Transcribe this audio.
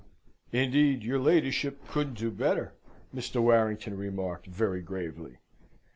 "Indeed your ladyship couldn't do better," Mr. Warrington remarked, very gravely.